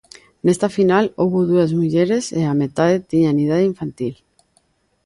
Nesta final houbo dúas mulleres e a metade tiñan idade infantil.